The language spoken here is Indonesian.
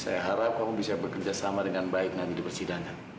saya harap kamu bisa bekerja sama dengan baik nanti di persidangan